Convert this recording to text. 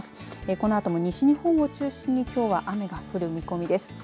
このあとも西日本を中心に雨が降る見込みです。